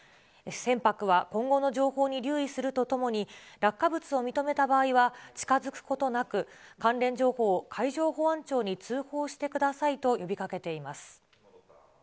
船舶は今後の情報に留意するとともに、落下物を認めた場合は近づくことなく、関連情報を海上保安庁に通報してくださいと呼びかけています。